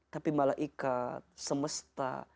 tapi malaikat semesta